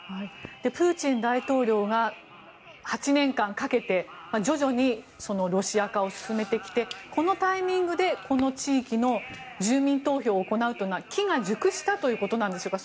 プーチン大統領が８年間かけて徐々にロシア化を進めてきてこのタイミングでこの地域の住民投票を行うとなると機が熟したということなんでしょうか。